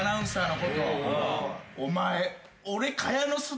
お前。